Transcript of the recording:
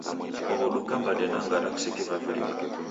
Oho duka mbande na gada kusekevavirika.